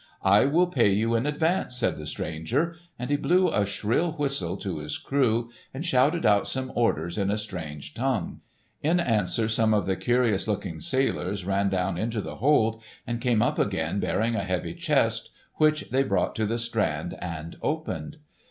"I will pay you in advance," said the stranger. And he blew a shrill whistle to his crew and shouted out some orders in a strange tongue. In answer some of the curious looking sailors ran down into the hold and came up again bearing a heavy chest which they brought to the strand and opened.